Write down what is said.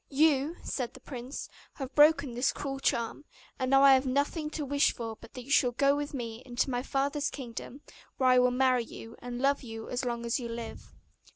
'You,' said the prince, 'have broken his cruel charm, and now I have nothing to wish for but that you should go with me into my father's kingdom, where I will marry you, and love you as long as you live.